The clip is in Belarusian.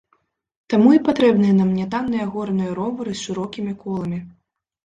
Таму і патрэбныя нам нятанныя горныя ровары з шырокімі коламі.